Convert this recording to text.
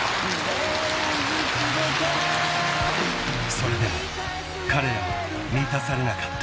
［それでも彼らは満たされなかった］